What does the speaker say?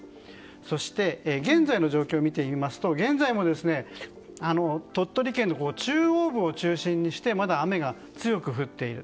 そして現在の状況を見てみますと現在も鳥取県の中央部を中心にしてまだ雨が強く降っている。